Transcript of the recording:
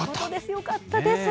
よかったです。